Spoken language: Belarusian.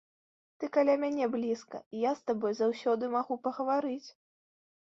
Ты каля мяне блізка, і я з табой заўсёды магу пагаварыць.